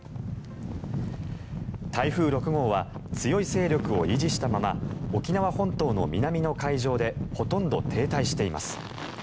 台風６号は強い勢力を維持したまま沖縄本島の南の海上でほとんど停滞しています。